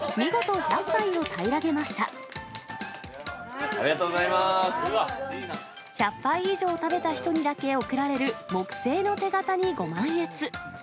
１００杯以上食べた人にだけ贈られる木製の手形にご満悦。